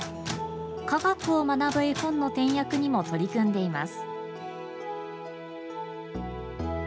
科学を学ぶ絵本の点訳にも取り組んでいます。